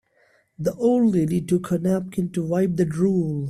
The old lady took her napkin to wipe the drool.